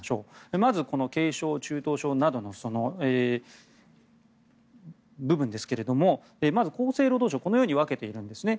まず、この軽症、中等症などの部分ですがまず厚生労働省このように分けているんですね。